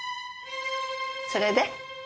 それで？